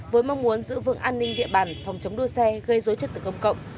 với mong muốn giữ vững an ninh địa bàn phòng chống đua xe gây dối chất tự công cộng